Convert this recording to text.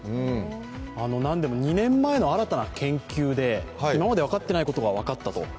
何でも２年前の新たな研究で今まで分かってないことが分かったと。